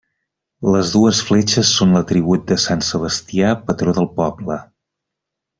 Les dues fletxes són l'atribut de sant Sebastià, patró del poble.